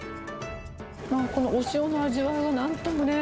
お塩の味わいがなんともね。